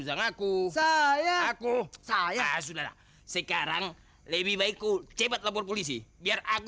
sang aku saya aku saya sudah sekarang lebih baik ku cepat lebor polisi biar aku